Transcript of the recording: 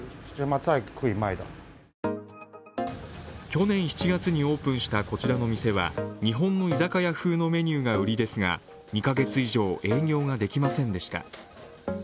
去年７月にオープンしたこちらの店は日本の居酒屋風のメニューが売りですが、２カ月以上営業ができませんでした